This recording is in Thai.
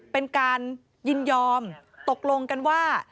เป็นการยินยอมตกลงกันว่า